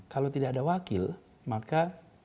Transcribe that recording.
kalau tidak ada wakil maka